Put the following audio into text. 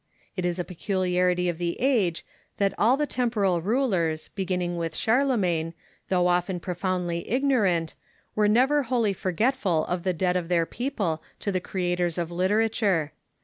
It is a peculiarity of the age that all the temporal rulers, beginning with Charlemagne, though often profoundly ignorant, were never wholly forgetful of the debt of their people to the creators of literature.